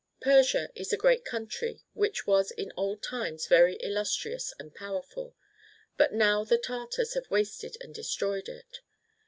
Persia is a great country, which was in old times very illustrious and powerful ; but now the Tartars have wasted and destroyed it.